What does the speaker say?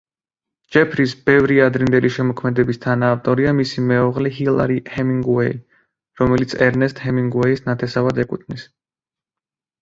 ჯეფრის ბევრი ადრინდელი შემოქმედების თანაავტორია მისი მეუღლე ჰილარი ჰემინგუეი, რომელიც ერნესტ ჰემინგუეის ნათესავად ეკუთვნის.